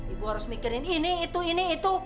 ibu harus mikirin ini itu ini itu